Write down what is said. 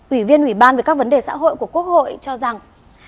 ủy viên ủy ban về các vấn đề xã hội của quốc hội cho rằng